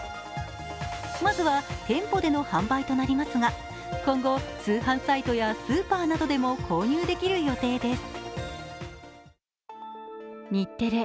まずは店舗での販売となりますが今後、通販サイトやスーパーなどでも購入できる予定です。